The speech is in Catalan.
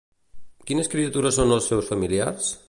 Quines criatures són els seus familiars?